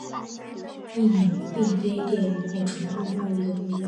蚁鸟并非猎人或宠物贸易的目标。